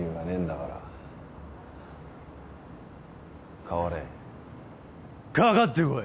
かかってこい！